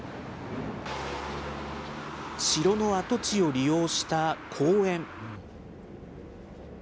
城の跡地を利用した公園。